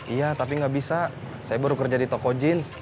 iya tapi nggak bisa saya baru kerja di toko jeans